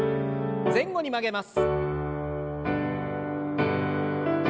前後に曲げます。